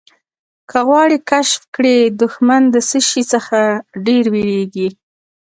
که غواړې کشف کړې دښمن د څه شي څخه ډېر وېرېږي.